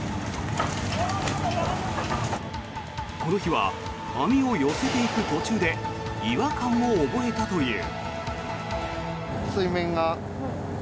この日は網を寄せていく途中で違和感を覚えたという。